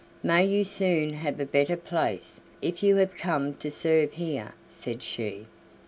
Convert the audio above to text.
"May you soon have a better place, if you have come to serve here!" said she.